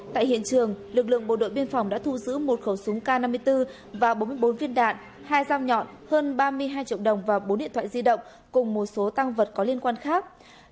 tại hiện trường lực lượng bộ đội biên phòng đã thu giữ một khẩu súng k năm mươi bốn và bốn mươi bốn viên đạn hai dao nhọn hơn ba mươi hai triệu đồng và bốn điện thoại di động cùng một số tăng vật có liên quan khác